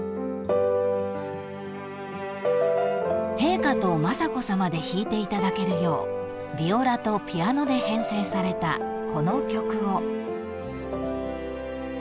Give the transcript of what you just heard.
［陛下と雅子さまで弾いていただけるようビオラとピアノで編成されたこの曲を］